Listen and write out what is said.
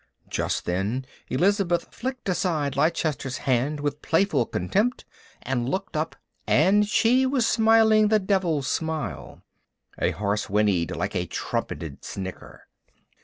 Just then Elizabeth flicked aside Leicester's hand with playful contempt and looked up and she was smiling the devil smile. A horse whinnied like a trumpeted snicker.